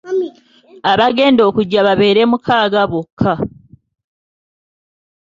Abagenda okujja babeere mukaaga bokka.